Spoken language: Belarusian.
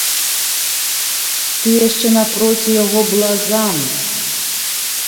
Ты яшчэ напроці яго блазан!